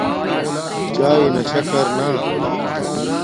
چاݵے نا شکر نا